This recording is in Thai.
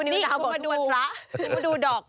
นี่คุณมาดู